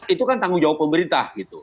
itu kan tanggung jawab pemerintah